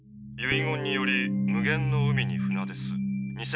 遺言により無限の海に船出す。